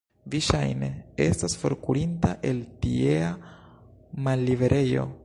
Vi, ŝajne, estas forkurinta el tiea malliberejo?